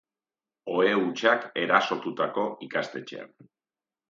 Ohe hutsak erasotutako ikastetxean.